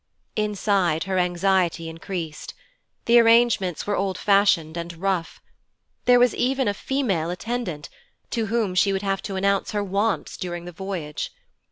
Inside, her anxiety increased. The arrangements were old fashioned and rough. There was even a female attendant, to whom she would have to announce her wants during the voyage.